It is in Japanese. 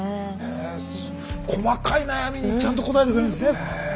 細かい悩みにちゃんと応えてくれるんですね。